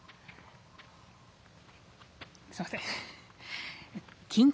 すいません。